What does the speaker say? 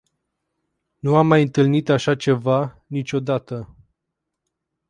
Nu am mai întâlnit așa ceva niciodată.